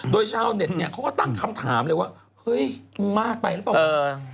โดยชาวเน็ตเนี่ยเขาก็ตั้งคำถามเลยว่าเฮ้ยมึงมากไปหรือเปล่า